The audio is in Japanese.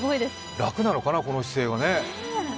楽なのかな、この姿勢がね。